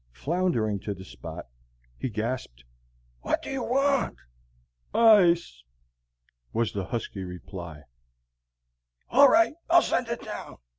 Floundering to the spot, he gasped: "What do you want?" "Ice!" was the husky reply. "All right, I'll send it down.